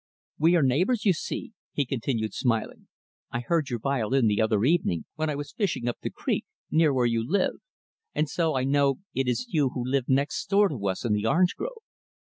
"We are neighbors, you see," he continued smiling. "I heard your violin, the other evening, when I was fishing up the creek, near where you live; and so I know it is you who live next door to us in the orange grove.